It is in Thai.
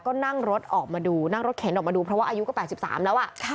ก็นั่งรถออกมาดูนั่งรถเข็นออกมาดูเพราะว่าอายุก็๘๓แล้ว